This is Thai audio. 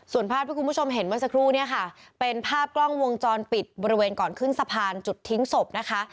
ส่วนภาพที่คุณผู้ชมเห็นเมื่อสักครู่เนี่ยค่ะเป็นภาพกล้องวงจรปิดบริเวณก่อนขึ้นสะพานจุดทิ้งศพนะคะ